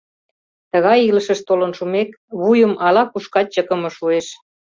Тыгай илышыш толын шумек, вуйым ала-кушкат чыкыме шуэш...